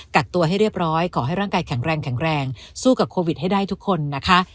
กักตัวให้เรียบร้อยขอให้ร่างกายแข็งแรงแข็งแรงสู้กับโควิดให้ได้ทุกคนนะคะ